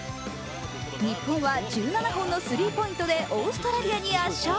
日本は１７本のスリーポイントでオーストラリアに圧勝。